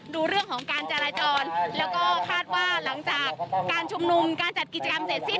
ดูเรื่องของการจราจรแล้วก็คาดว่าหลังจากการชุมนุมการจัดกิจกรรมเสร็จสิ้น